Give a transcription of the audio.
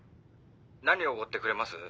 何おごってくれます？